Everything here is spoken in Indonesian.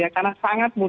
karena sangat mudah